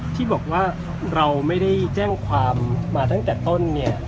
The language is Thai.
ที่บอกว่าเราไม่ได้แจ้งความมาตั้งแต่ต้นเนี่ย